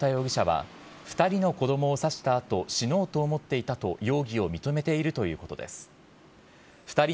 警察の調べに対し、太田容疑者は、２人の子どもを刺したあと、死のうと思っていたと容疑を認めているということです。